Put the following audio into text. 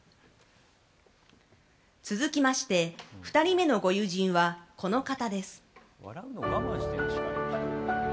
続きまして２人目のご友人は、この方です。